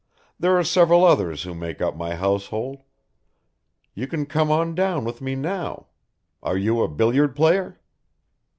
There are several others who make up my household you can come on down with me now are you a billiard player?"